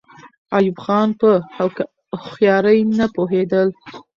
ایوب خان په هوښیارۍ نه پوهېدل.